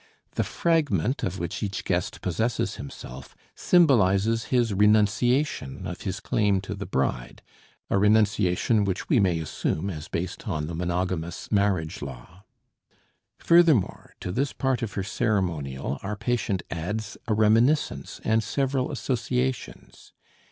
The fragment of which each guest possesses himself symbolizes his renunciation of his claim to the bride, a renunciation which we may assume as based on the monogamous marriage law. Furthermore, to this part of her ceremonial our patient adds a reminiscence and several associations.